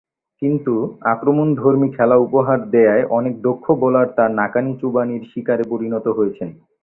কিন্তু, আক্রমণধর্মী খেলা উপহার দেয়ায় অনেক দক্ষ বোলার তার নাকানি-চুবানির শিকারে পরিণত হয়েছেন।